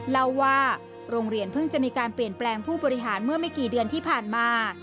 เล่าว่าโรงเรียนเพิ่งจะมีการเปลี่ยนแปลงผู้บริหารเมื่อไม่กี่เดือนที่ผ่านมา